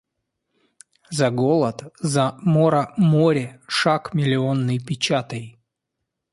За голод, за мора море шаг миллионный печатай!